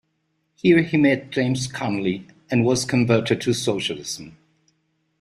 Here he met James Connolly and was converted to socialism.